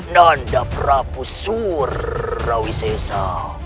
nanda prabu surrawisesa